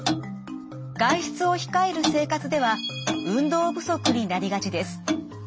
外出を控える生活では運動不足になりがちです。